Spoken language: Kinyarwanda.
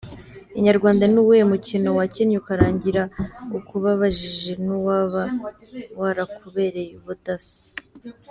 Inyarwanda: Ni uwuhe mukino wakinnye ukarangira ukubabaje n’uwaba warakubereye ubudasa?.